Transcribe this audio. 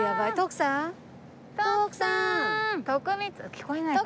聞こえないかな？